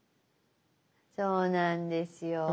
そうなんですよ。